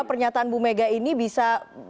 pernyataan bu mega ini bisa